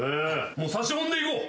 もうさしほんでいこう。